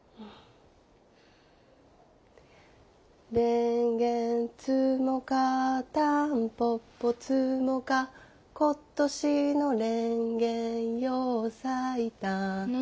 れんげ摘もかたんぽぽ摘もか今年のれんげよう咲いた何？